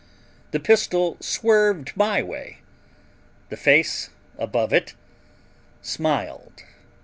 The pistol swerved my way. The face above it smiled.